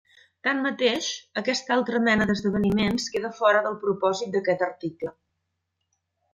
Tanmateix, aquesta altra mena d'esdeveniments queda fora del propòsit d'aquest article.